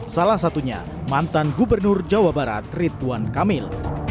salah satunya mantan gubernur jawa barat rituan kamil